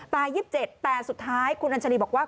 ตาย๒๗แต่สุดท้ายคุณอัญชลีทราบบอกว่า